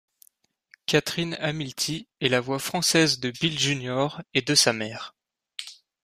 Catherine Hamilty est la voix française de Bill junior et de sa mère.